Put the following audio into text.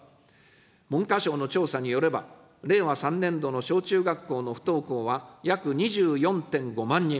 文科省の調査によれば、令和３年度の小中学校の不登校は、約２４．５万人。